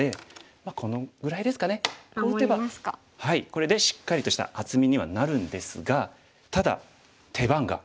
これでしっかりとした厚みにはなるんですがただ手番が黒に渡りましたね。